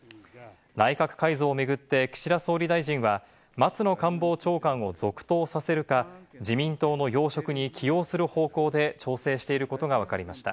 内閣改造を巡って岸田総理大臣は松野官房長官を続投させるか、自民党の要職に起用する方向で調整していることがわかりました。